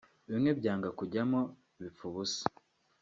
bimwe byanga kujyamo bipfa ubusa